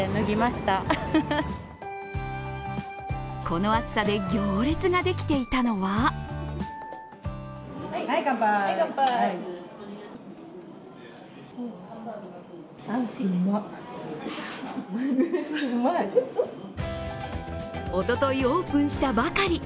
この暑さで行列ができていたのはおとといオープンしたばかり。